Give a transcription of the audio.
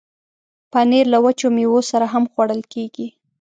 پنېر له وچو میوو سره هم خوړل کېږي.